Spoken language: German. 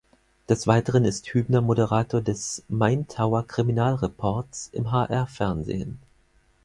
Des Weiteren ist Hübner Moderator des "Maintower-Kriminalreports" im hr-fernsehen.